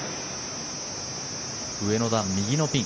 上の段、右のピン。